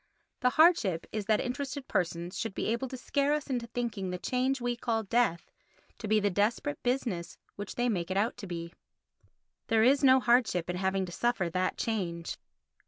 The hardship is that interested persons should be able to scare us into thinking the change we call death to be the desperate business which they make it out to be. There is no hardship in having to suffer that change.